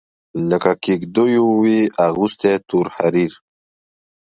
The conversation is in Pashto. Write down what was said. لکه کیږدېو وي اغوستي تور حریر